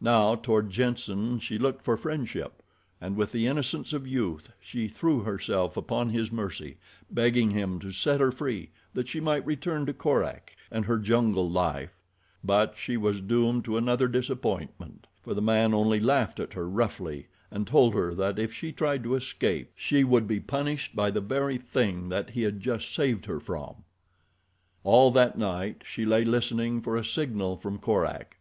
Now, toward Jenssen she looked for friendship, and with the innocence of youth she threw herself upon his mercy, begging him to set her free, that she might return to Korak and her jungle life; but she was doomed to another disappointment, for the man only laughed at her roughly and told her that if she tried to escape she would be punished by the very thing that he had just saved her from. All that night she lay listening for a signal from Korak.